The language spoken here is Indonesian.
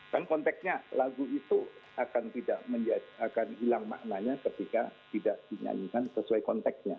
dan konteksnya lagu itu akan hilang maknanya ketika tidak dinyanyikan sesuai konteksnya